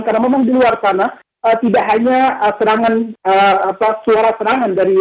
karena memang di luar sana tidak hanya serangan apa suara serangan dari roh